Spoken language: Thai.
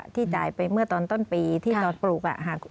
ที่จ่ายไปเมื่อตอนต้นปีที่ตอนปลูก